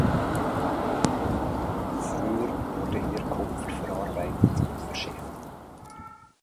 Früher wurde hier Kupfer verarbeitet und verschifft.